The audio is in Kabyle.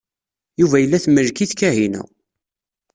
Yuba yella temlek-it Kahina.